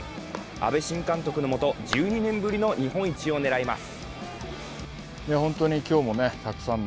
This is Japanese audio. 阿部新監督の下、１２年ぶりの日本一をねらいます。